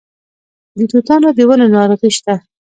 د توتانو د ونو ناروغي شته؟